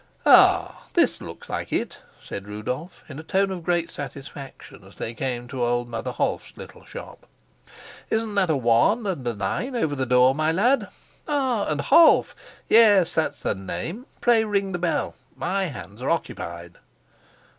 "Ah, this looks like it," said Rudolf, in a tone of great satisfaction, as they came to old Mother Holf's little shop. "Isn't that a one and a nine over the door, my lad? Ah, and Holf! Yes, that's the name. Pray ring the bell. My hands are occupied."